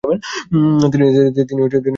তিনি উপহার সামগ্রী খাবেন।